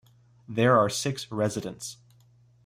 There are six residents.